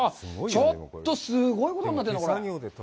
ちょっとすごいことになってるな、これ。